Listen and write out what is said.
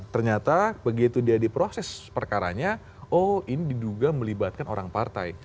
ternyata begitu dia diproses perkaranya oh ini diduga melibatkan orang partai